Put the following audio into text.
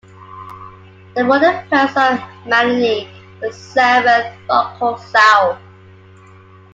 They were the parents of Malani, the seventh "Roko Sau".